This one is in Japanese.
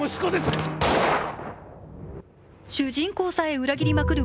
主人公さえ裏切りまくる